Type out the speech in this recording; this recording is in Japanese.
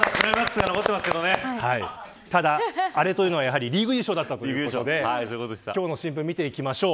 ただアレというのはやはりリーグ優勝だということで今日の新聞見ていきましょう。